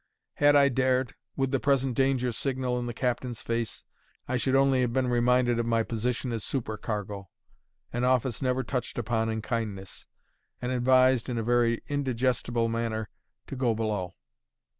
Had I dared, with the present danger signal in the captain's face, I should only have been reminded of my position as supercargo an office never touched upon in kindness and advised, in a very indigestible manner, to go below.